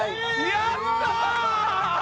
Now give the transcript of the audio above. やったー！